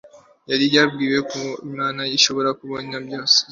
Yari yababwiye ko kumenya Imana bishobora kubonwa gusa muri ubwo buryo,